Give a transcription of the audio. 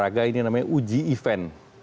olahraga ini namanya uji event